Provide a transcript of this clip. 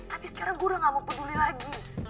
tapi sekarang guru udah gak mau peduli lagi